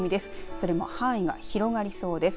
それも範囲が広まりそうです。